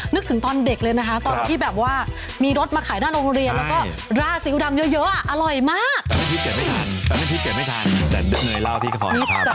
นึกถึงตอนเด็กเลยนะฮะตอนพี่แบบว่ามีรถมาขายด้านโรงเรียนและก็